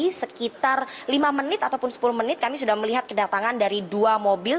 jadi sekitar lima menit ataupun sepuluh menit kami sudah melihat kedatangan dari dua mobil